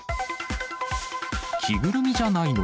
着ぐるみじゃないの？